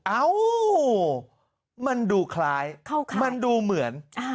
เอ้ามันดูคล้ายมันดูเหมือน